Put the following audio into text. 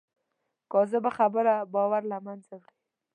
کاذبه خبره باور له منځه وړي